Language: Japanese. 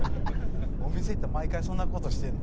お店行ったら毎回そんな事してるの？